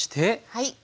はい。